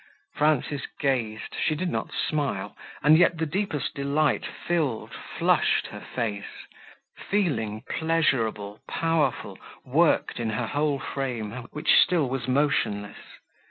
Frances gazed, she did not smile, and yet the deepest delight filled, flushed her face; feeling pleasurable, powerful, worked in her whole frame, which still was motionless.